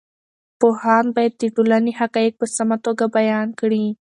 پوهاند باید د ټولنې حقایق په سمه توګه بیان کړي.